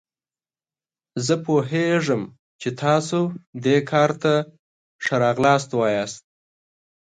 زه پوهیږم چې تاسو دې کار ته ښه راغلاست وایاست.